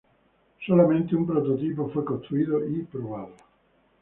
Solamente un prototipo fue construido y probado.